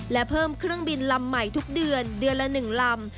และเพิ่มเครื่องบินลำใหม่ทุกเดือนเดือนละ๑ลำ